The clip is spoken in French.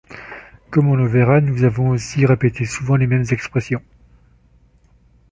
Comme on le verra nous avons aussi répété souvent les mêmes expressions.